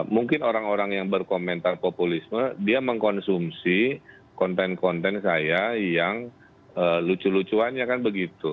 mungkin orang orang yang berkomentar populisme dia mengkonsumsi konten konten saya yang lucu lucuannya kan begitu